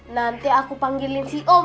nanti aku panggilin si om